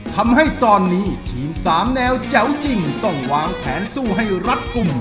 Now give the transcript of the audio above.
ทำให้ตอนนี้ทีม๓แนวแจ๋วจริงต้องวางแผนสู้ให้รัดกลุ่ม